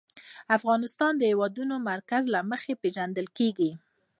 افغانستان د د هېواد مرکز له مخې پېژندل کېږي.